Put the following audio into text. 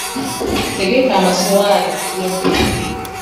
Tegeka amasowaani tulye emmere.